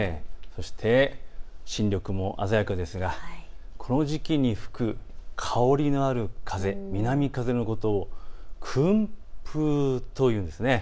そして新緑も鮮やかですがこの時期にふく薫りのある風、南風のことを薫風というんですね。